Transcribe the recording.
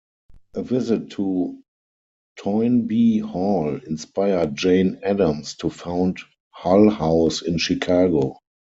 A visit to Toynbee Hall inspired Jane Addams to found Hull House in Chicago.